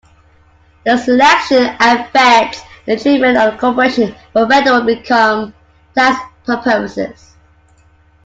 The S election affects the treatment of the corporation for Federal income tax purposes.